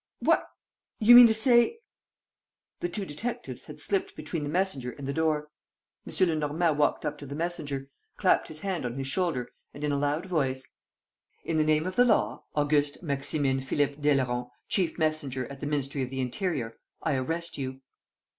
... What! You mean to say ..." The two detectives had slipped between the messenger and the door. M. Lenormand walked up to the messenger, clapped his hand on his shoulder and, in a loud voice: "In the name of the law, Auguste Maximin Philippe Daileron, chief messenger at the Ministry of the Interior, I arrest you."